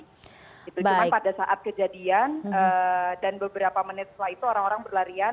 cuma pada saat kejadian dan beberapa menit setelah itu orang orang berlarian